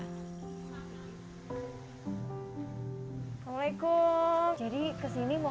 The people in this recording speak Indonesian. terima kasih bu